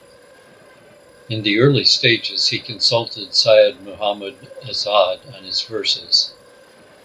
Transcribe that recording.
In the early stages he consulted Syed Muhammad Azad on his verses.